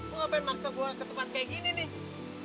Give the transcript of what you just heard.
hah bu ngapain maksa gue ke tempat kayak gini nih